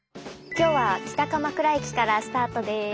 今日は北鎌倉駅からスタートです。